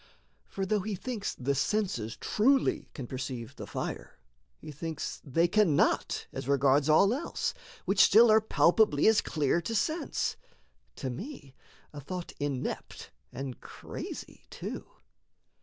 For, though he thinks The senses truly can perceive the fire, He thinks they cannot as regards all else, Which still are palpably as clear to sense To me a thought inept and crazy too.